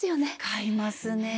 使いますね。